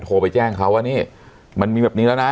โทรไปแจ้งเขาว่านี่มันมีแบบนี้แล้วนะ